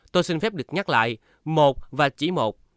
tôi xin phép được nhắc lại một và chỉ một